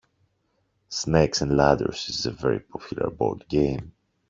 Snakes and ladders is a very popular board game